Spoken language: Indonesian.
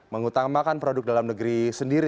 mengutamakan produk dalam negeri sendiri